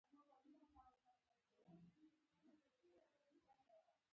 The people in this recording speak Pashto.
لس ورځې ضروري رخصتۍ ورکول کیږي.